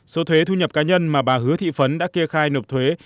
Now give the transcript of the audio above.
số thuế thu nhập cá nhân mà bà hứa thị phấn đã kê khai nộp thuế